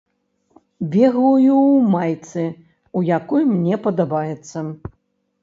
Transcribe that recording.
Бегаю ў майцы, у якой мне падабаецца.